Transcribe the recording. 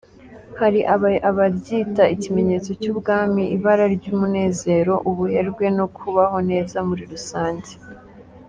Hari abaryita ikimenyetso cy’ubwami, ibara ry’umunezero, ubuherwe no kubaho neza muri rusange.